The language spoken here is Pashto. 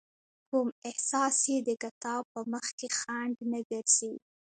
کوم احساس يې د کتاب په مخکې خنډ نه ګرځي.